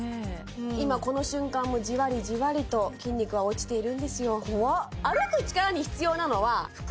今この瞬間もじわりじわりと筋肉は落ちているんですよ怖っ